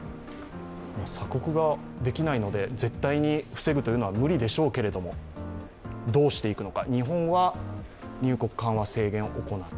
鎖国ができないので、絶対に防ぐというのは無理でしょうけれども、どうしていくのか。